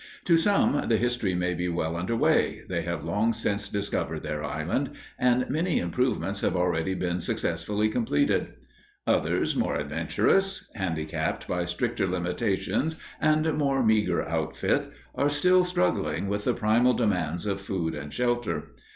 To some the history may be well under way; they have long since discovered their island, and many improvements have already been successfully completed. Others, more adventurous, handicapped by stricter limitations and more meagre outfit, are still struggling with the primal demands of food and shelter.